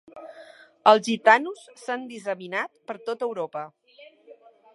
Els gitanos s'han disseminat per tot Europa.